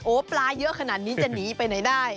ปลาเยอะขนาดนี้จะหนีไปไหนได้